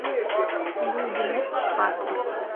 Вуйбилет — паспорт.